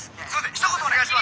ひと言お願いします！」。